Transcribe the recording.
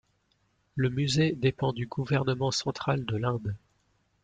Le musée dépend du gouvernement central de l'Inde.